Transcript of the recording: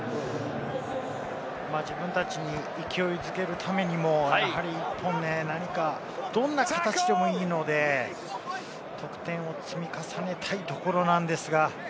自分たちを勢いづけるためにもやはり一本何か、どんな形でもいいので得点を積み重ねたいところなんですが。